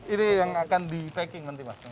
ini yang akan di packing nanti mas